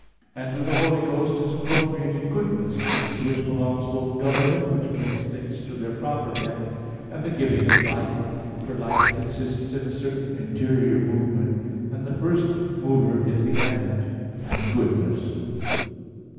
And to the Holy Ghost is appropriated goodness, to which belong both government, which brings things to their proper end, and the giving of life for life consists in a certain interior movement; and the first mover is the end, and goodness.